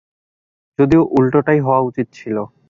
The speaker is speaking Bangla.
যদিও উল্টোটাই হওয়া উচিত ছিল।